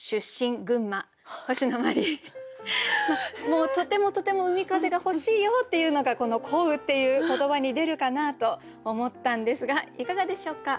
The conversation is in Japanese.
もうとてもとても海風が欲しいよっていうのがこの「乞う」っていう言葉に出るかなと思ったんですがいかがでしょうか？